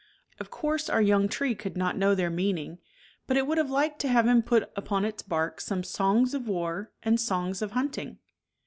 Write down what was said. Of course our young tree could not know their meaning, but it would have liked to have him put upon its bark some Songs of war and songs of hunting.